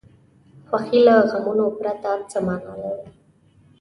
خوښي له غمونو پرته څه معنا لري.